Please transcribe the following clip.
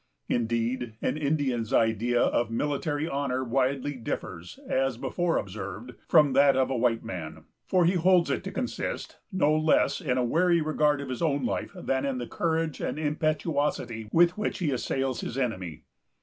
Indeed, an Indian's idea of military honor widely differs, as before observed, from that of a white man; for he holds it to consist no less in a wary regard to his own life than in the courage and impetuosity with which he assails his enemy.